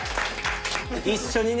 一緒にね。